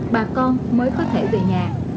bà con mới có thể về nhà